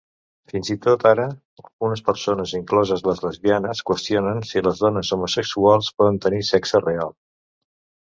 Fins i tot ara, algunes persones, incloses les lesbianes, qüestionen si les dones homosexuals poden tenir sexe real.